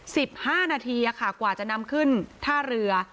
สิบห้านาทีอะค่ะกว่าจะนำขึ้นท่าเรือ